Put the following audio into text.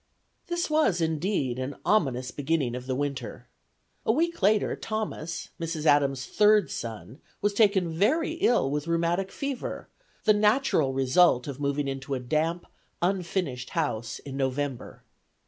This was indeed an ominous beginning of the winter. A week later Thomas, Mrs. Adams' third son, was taken very ill with rheumatic fever, the natural result of moving into a damp, unfinished house in November.